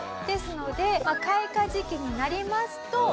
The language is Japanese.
ですので開花時期になりますと。